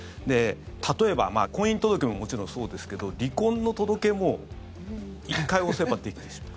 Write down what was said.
例えば婚姻届ももちろんそうですけど離婚の届けも１回押せばできてしまう。